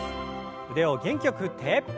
腕を元気よく振って。